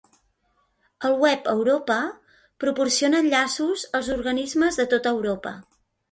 El web Europa proporciona enllaços als organismes de tota Europa.